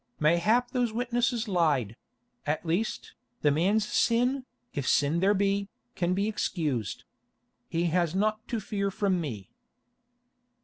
Mayhap those witnesses lied; at least, the man's sin, if sin there be, can be excused. He has naught to fear from me."